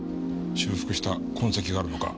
修復した痕跡があるのか？